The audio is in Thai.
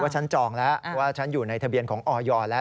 ฉันจองแล้วว่าฉันอยู่ในทะเบียนของออยแล้ว